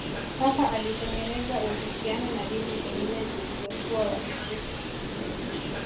papa alitengeneza uhusiano na dini zingine zisizokuwa wa kikristo